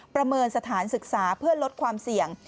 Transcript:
ประเมินสถานศึกษาเพื่อลดความเสี่ยง